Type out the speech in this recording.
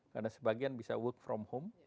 karena sebagian bisa work from home